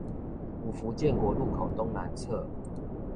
五福建國路口東南側